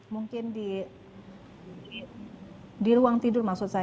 mungkin di ruang tidur maksud saya